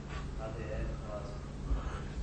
kde plasma